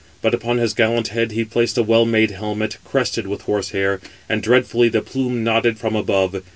But upon his gallant head he placed the well made helmet, crested with horse hair; and dreadfully the plume nodded from above.